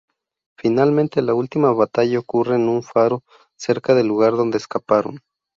Finalmente la última batalla ocurre en un faro cerca del lugar donde escaparon.